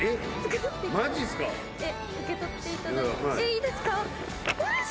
いいですか？